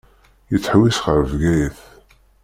Yettḥewwis ar Bgayet.